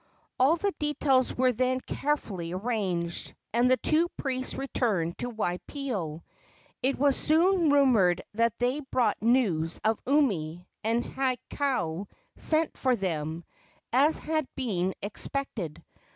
All the details were then carefully arranged, and the two priests returned to Waipio. It was soon rumored that they brought news of Umi, and Hakau sent for them, as had been expected.